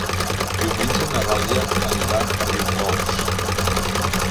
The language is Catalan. Diumenge na Dàlia anirà a Riumors.